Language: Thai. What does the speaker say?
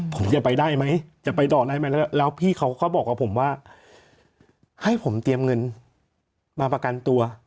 ผมจะไปได้ไหมจะไปต่อได้ไหมแล้วพี่เขาก็บอกกับผมว่าให้ผมเตรียมเงินมาประกันตัว